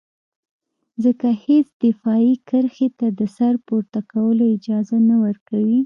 ځکه هېڅ دفاعي کرښې ته د سر پورته کولو اجازه نه ورکوي.